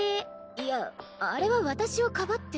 いやあれは私をかばって。